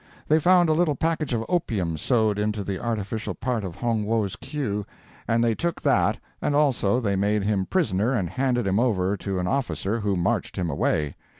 They found a little package of opium sewed into the artificial part of Hong Wo's queue, and they took that, and also they made him prisoner and handed him over to an officer, who marched him away.